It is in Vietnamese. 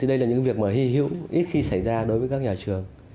thì đây là những việc mà hi hữu ít khi xảy ra đối với các nhà trường